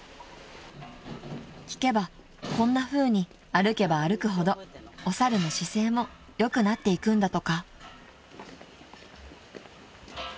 ［聞けばこんなふうに歩けば歩くほどお猿の姿勢も良くなっていくんだとか］